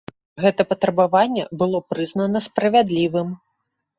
Гэта патрабаванне было прызнана справядлівым.